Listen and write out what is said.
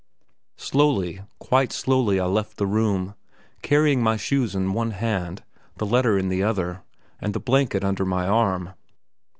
Slowly, quite slowly I left the room, carrying my shoes in one hand, the letter in the other, and the blanket under my arm.